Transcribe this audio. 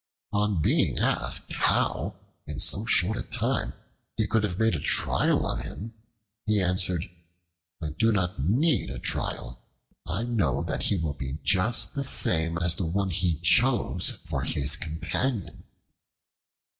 On being asked how, in so short a time, he could have made a trial of him, he answered, "I do not need a trial; I know that he will be just the same as the one he chose for his companion."